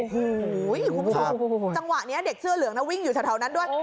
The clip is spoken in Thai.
โอ้โหคุณผู้ชมจังหวะนี้เด็กเสื้อเหลืองนะวิ่งอยู่แถวนั้นด้วย